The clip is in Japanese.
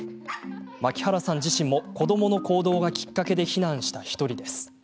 槙原さん自身も子どもの行動がきっかけで避難した１人です。